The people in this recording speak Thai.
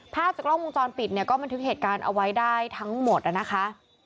ภาพจากกล้องวงจรปิดเนี่ยก็บันทึกเหตุการณ์เอาไว้ได้ทั้งหมดนะคะ